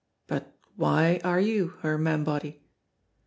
But why are you her man body?"